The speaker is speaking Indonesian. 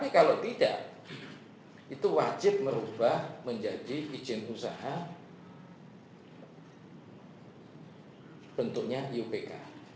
kalau tidak itu wajib merubah menjadi izin usaha bentuknya iupk